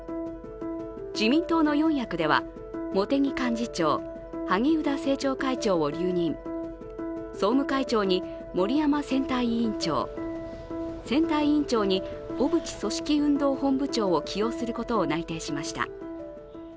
自民党の４役では茂木幹事長、萩生田政調会長を留任、総務会長に森山選対委員長、選対委員長に小渕組織運動本部長を起用することを内定しました。